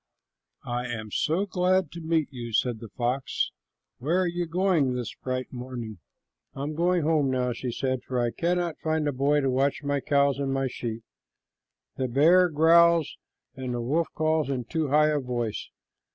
"I am so glad to meet you," said the fox. "Where are you going this bright morning?" "I am going home now," she said, "for I cannot find a boy to watch my cows and my sheep. The bear growls and the wolf calls in too high a voice.